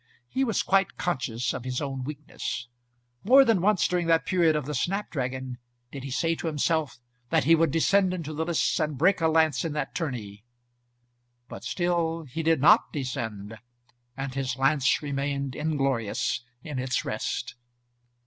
He was quite conscious of his own weakness. More than once, during that period of the snap dragon, did he say to himself that he would descend into the lists and break a lance in that tourney; but still he did not descend, and his lance remained inglorious in its rest.